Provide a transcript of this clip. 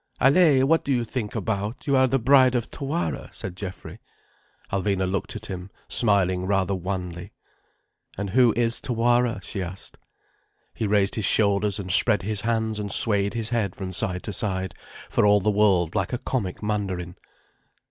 "Allaye, what do you think about? You are the bride of Tawara," said Geoffrey. Alvina looked at him, smiling rather wanly. "And who is Tawara?" she asked. He raised his shoulders and spread his hands and swayed his head from side to side, for all the world like a comic mandarin.